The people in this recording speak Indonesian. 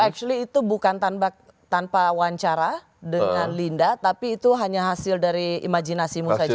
xly itu bukan tanpa wawancara dengan linda tapi itu hanya hasil dari imajinasimu saja